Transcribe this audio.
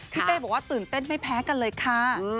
เป้บอกว่าตื่นเต้นไม่แพ้กันเลยค่ะ